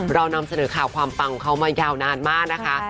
เรานำเสนอข่าวความปังของเขามายาวนานมากนะคะ